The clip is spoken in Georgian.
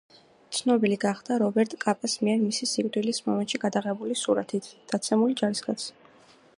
ცნობილი გახდა რობერტ კაპას მიერ მისი სიკვდილის მომენტში გადაღებული სურათით „დაცემული ჯარისკაცი“.